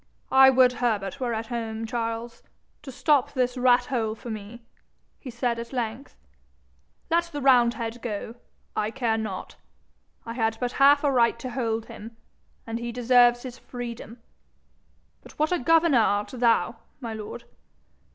'I would Herbert were at home, Charles, to stop this rat hole for me,' he said at length. 'Let the roundhead go I care not. I had but half a right to hold him, and he deserves his freedom. But what a governor art thou, my lord?